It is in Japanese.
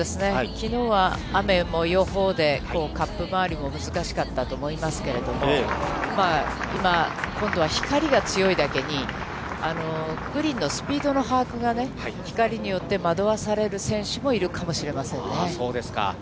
きのうは雨も予報で、カップ周りも難しかったと思いますけども、今、今度は光が強いだけに、のスピードの把握が光によって惑わされる選手もいるかもしれまそうですか。